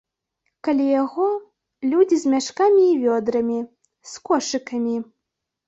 Каля яго людзі з мяшкамі і вёдрамі, з кошыкамі.